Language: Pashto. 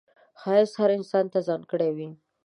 ښایست هر انسان ته ځانګړی وي